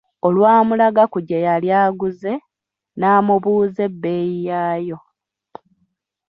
Olwamulaga ku gye yali aguze, n'amubuuza ebbeeyi yaayo.